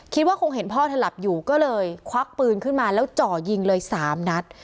คิดว่าคงเห็นพ่อเธอหลับอยู่ก็เลยควักปืนขึ้นมาแล้วจ่อยิงเลย๓นัด